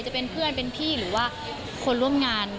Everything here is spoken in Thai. จะเป็นเพื่อนเป็นพี่หรือว่าคนร่วมงาน